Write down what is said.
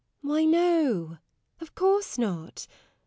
Why no of course not.